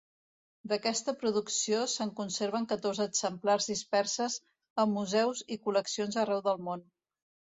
D'aquesta producció se'n conserven catorze exemplars disperses en museus i col·leccions arreu del món.